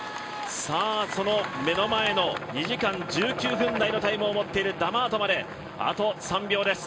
目の前の２時間１９分台のタイムを持っているダマートまで、あと３秒です。